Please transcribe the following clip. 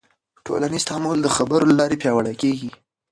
ټولنیز تعامل د خبرو له لارې پیاوړی کېږي.